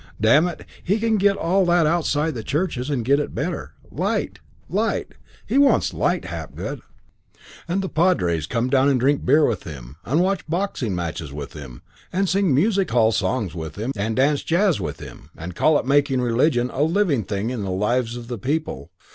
Damn it, he can get all that outside the churches and get it better. Light, light! He wants light, Hapgood. And the padres come down and drink beer with him, and watch boxing matches with him, and sing music hall songs with him, and dance Jazz with him, and call it making religion a Living Thing in the Lives of the People.